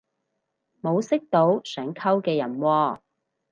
冇識到想溝嘅人喎